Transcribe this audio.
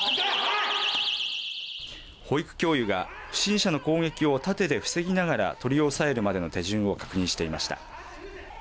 保育教諭が不審者の攻撃を盾で防ぎながら取り押さえるまでの手順を確認していました。